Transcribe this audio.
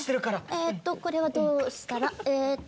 えっとこれはどうしたらえっと。